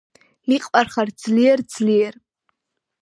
მიყვარხარ ძლიერ ძლიერ